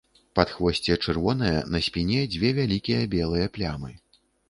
Падхвосце чырвонае, на спіне дзве вялікія белыя плямы.